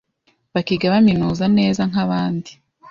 bakiga baminuza neza nk,abandi